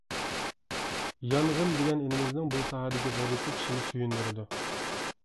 يانغىن دېگەن ئىنىمىزنىڭ بۇ ساھەدىكى غەيرىتى كىشىنى سۆيۈندۈرىدۇ.